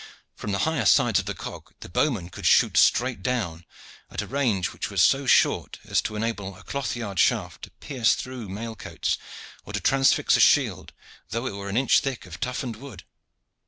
From the higher sides of the cog the bowmen could shoot straight down, at a range which was so short as to enable a cloth yard shaft to pierce through mail coats or to transfix a shield, though it were an inch thick of toughened wood.